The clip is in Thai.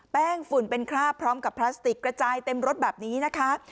ฝุ่นเป็นคราบพร้อมกับพลาสติกกระจายเต็มรถแบบนี้นะคะ